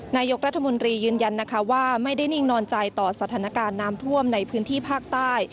นายกรัฐมนตรียืนยันนะคะว่าไม่ได้นิ่งนอนใจต่อสถานการณ์น้ำท่วมในพื้นที่ภาคใต้